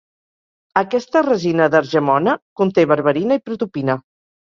Aquesta resina d'argemone conté berberina i protopina.